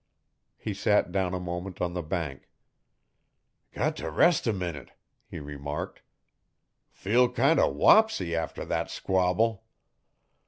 He sat down a moment on the bank. 'Got t' rest a minute,' he remarked. 'Feel kind o' wopsy after thet squabble.'